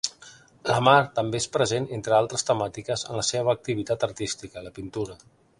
La mar també és present, entre altres temàtiques, en la seva activitat artística: la pintura.